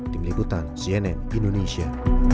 tim liputan cnn indonesia